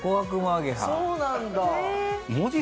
そうなんだ。